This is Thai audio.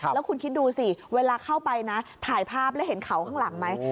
แล้วคุณคิดดูสิเวลาเข้าไปนะถ่ายภาพแล้วเห็นเขาข้างหลังไหม